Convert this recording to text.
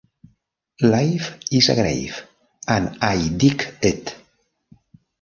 "Life Is a Grave and I Dig It!"